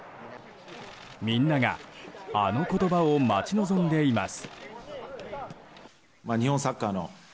みんながあの言葉を待ち望んでいます。